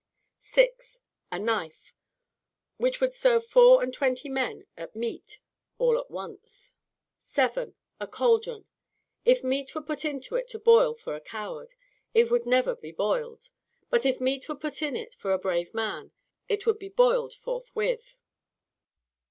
6. A knife, which would serve four and twenty men at meat all at once. 7. A caldron; if meat were put into it to boil for a coward, it would never be boiled; but if meat were put in it for a brave man, it would be boiled forthwith.